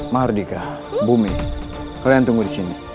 mahardika bumi kalian tunggu di sini